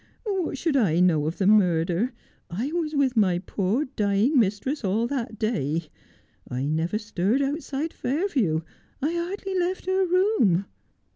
What should I know of the murder 1 I was with my poor dying mistress all that day. I never stirred outside Fair view — I hardly left her room.'